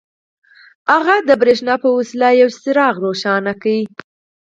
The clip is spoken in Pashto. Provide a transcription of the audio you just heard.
هغه د برېښنا په وسيله يو څراغ روښانه کړ.